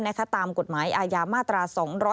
ในข้าตามกฎหมายอาญามาตรา๒๑๘